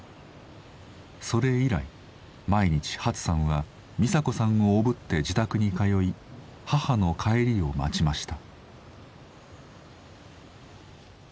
それ以来毎日ハツさんはミサ子さんをおぶって自宅に通い母の帰りを待ちました。